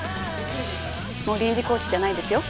もう臨時コーチじゃないですよ。